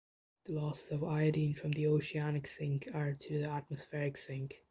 The losses of iodine from the oceanic sink are to the atmospheric sink.